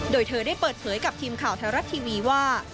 โดยเธอได้เปิดเผยกับทีมข่าวไทยรัฐทีวีว่า